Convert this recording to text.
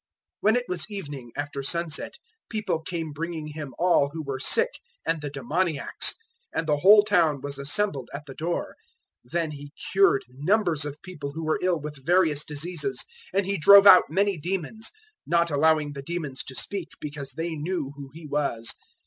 001:032 When it was evening, after sunset people came bringing Him all who were sick and the demoniacs; 001:033 and the whole town was assembled at the door. 001:034 Then He cured numbers of people who were ill with various diseases, and He drove out many demons; not allowing the demons to speak, because they knew who He was.